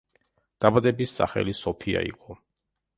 დაბადების სახელი სოფია იყო.